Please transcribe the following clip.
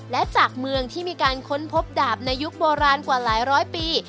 และจากเมืองที่มีการค้นพบดาบในยุคโบราณกว่าหลายร้อยปี